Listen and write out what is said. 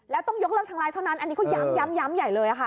แล้วต้องยกเลิกทางไลน์เท่านั้นอันนี้ก็ย้ำใหญ่เลยค่ะ